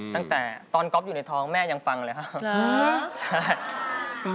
ตั้งแต่ตอนก๊อฟอยู่ในท้องแม่ยังฟังเลยครับ